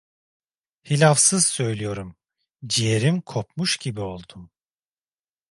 Hilafsız söylüyorum, ciğerim kopmuş gibi oldum.